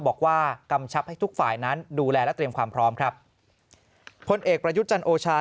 กำชับให้ทุกฝ่ายนั้นดูแลและเตรียมความพร้อมครับพลเอกประยุทธ์จันโอชา